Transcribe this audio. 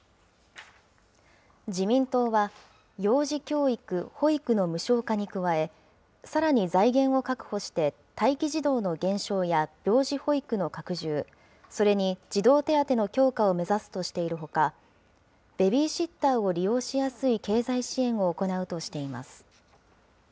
自民党は、幼児教育・保育の無償化に加え、さらに財源を確保して待機児童の減少や病児保育の拡充、それに児童手当の強化を目指すとしているほか、ベビーシッターを利用しやすい経済支援を行うとしています。